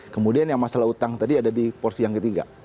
kemudian yang masalah utang tadi ada di porsi yang ketiga